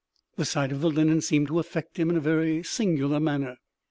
The sight of the linen seemed to affect him in a very singular manner.